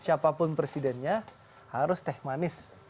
siapapun presidennya harus teh manis